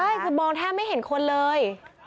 ใช่คือมองแทบไม่เห็นคนเลย